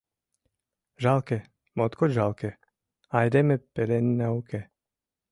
Жалке, моткоч жалке, айдеме пеленна уке.